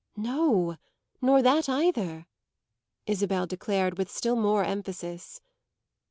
"No, nor that either," Isabel declared with still more emphasis.